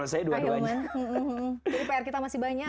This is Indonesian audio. jadi pr kita masih banyak